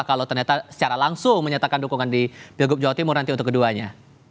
kalau ternyata secara langsung menyatakan dukungan di pilgub jawa timur nanti untuk keduanya